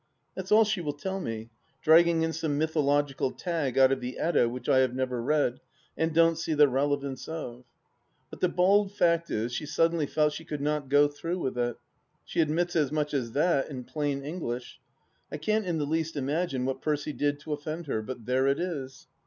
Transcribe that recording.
That's all she will tell me, dragging in some mythological tag out of the Edda, which I have never read, and don't see the relevance of. But the bald fact is she suddenly felt she could not go through with it. She admits as much as that in plain English. I can't in the least imagine what Percy did to offend her; but there it is.